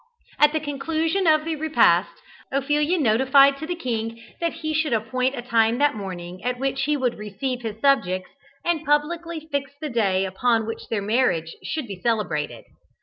At the conclusion of the repast, Ophelia notified to the king that he should appoint a time that morning at which he would receive his subjects, and publicly fix the day upon which their marriage should be celebrated.